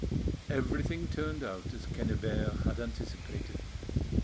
Everything turned out as Quennebert had anticipated.